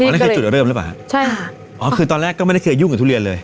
นั่นคือจุดเริ่มหรือเปล่าฮะใช่ค่ะอ๋อคือตอนแรกก็ไม่ได้เคยยุ่งกับทุเรียนเลย